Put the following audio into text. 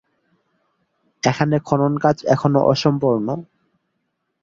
এখানে খননকাজ এখনও অসম্পূর্ণ।